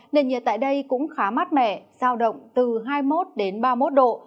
nền nhiệt tại đây cũng khá mát mẻ sao động từ hai mươi một đến ba mươi một độ